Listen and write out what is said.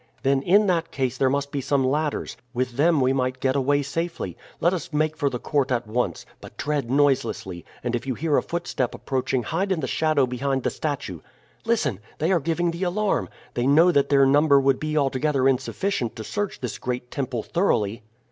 "Then in that case there must be some ladders. With them we might get away safely. Let us make for the court at once, but tread noiselessly, and if you hear a footstep approaching hide in the shadow behind the statue. Listen! they are giving the alarm. They know that their number would be altogether insufficient to search this great temple thoroughly."